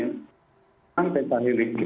jadi semuanya itu harus harus melakukan